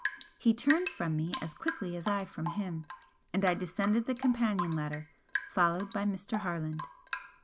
He turned from me as quickly as I from him, and I descended the companion ladder followed by Mr. Harland.